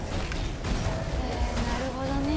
へえなるほどね。